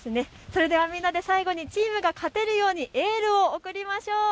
それではみんなで最後にチームが勝てるようにエールを送りましょう。